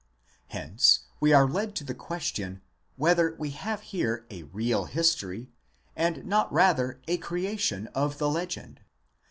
Hence we are led to the question, whether we have here a real history and not rather a creation of the legend?